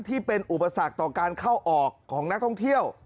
ที่เป็นอุปสรรคต่อการเข้าออกของนักท่องเที่ยว